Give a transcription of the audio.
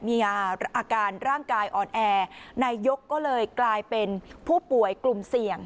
มีอาการร่างกายอ่อนแอนายยกก็เลยกลายเป็นผู้ป่วยกลุ่มเสี่ยง